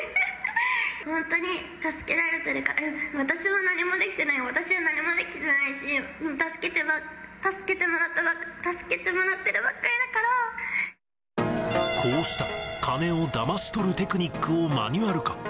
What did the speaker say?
本当に助けられてるから、私は何もできてない、私は何もできてないし、こうした金をだまし取るテクニックをマニュアル化。